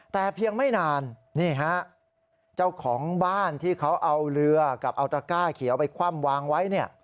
แต่เพียงไม่นานนี่ฮะเจ้าของบ้านที่เขาเอาเรือกับเอาตระก้าเขียวไปคว่ำวางไว้เนี่ย